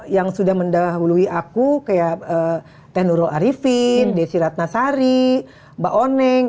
yang sudah mendahului aku kayak teh nurul arifin desi ratnasari mbak oneng